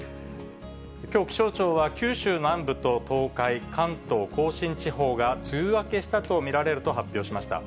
きょう、気象庁は九州南部と東海、関東甲信地方が梅雨明けしたと見られると発表しました。